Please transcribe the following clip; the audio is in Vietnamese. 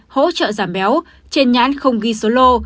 hỗ trợ giảm béo trên nhãn không ghi số lô